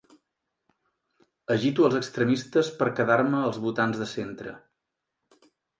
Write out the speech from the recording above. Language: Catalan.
Agito els extremistes per quedar-me els votants de centre.